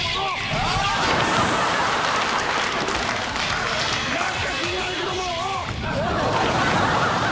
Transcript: あっ！？